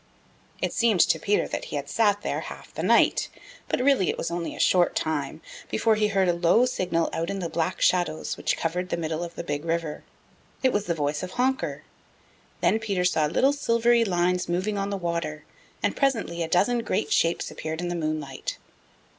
It seemed to Peter that he had sat there half the night, but really it was only a short time, before he heard a low signal out in the Black Shadows which covered the middle of the Big River. It was the voice of Honker. Then Peter saw little silvery lines moving on the water and presently a dozen great shapes appeared in the moonlight.